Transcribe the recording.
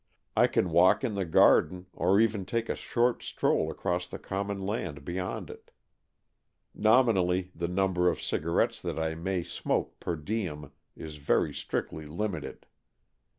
I can walk in the garden, or even take a short stroll across the common land beyond it. Nominally the number of cigarettes that I may smoke per diem is very strictly limited.